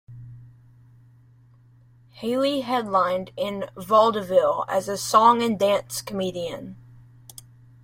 Haley headlined in vaudeville as a song-and-dance comedian.